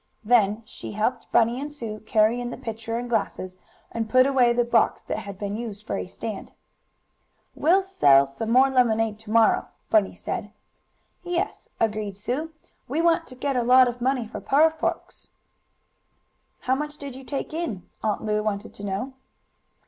Then she helped Bunny and Sue carry in the pitcher and glasses, and put away the box that had been used for a stand. "We'll sell some more lemonade to morrow," Bunny said. "Yes," agreed Sue. "We want to get a lot of money for poor folks." "How much did you take in?" Aunt Lu wanted to know.